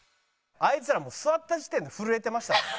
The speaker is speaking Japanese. あいつらもう座った時点で震えてましたもん。